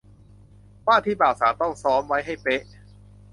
ว่าที่บ่าวสาวต้องซ้อมไว้ให้เป๊ะ